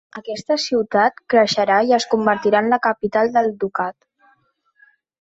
Aquesta ciutat creixerà i es convertirà en la capital del ducat.